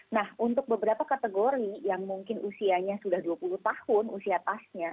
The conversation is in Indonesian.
nah untuk beberapa kategori yang mungkin usianya sudah dua puluh tahun usia tasnya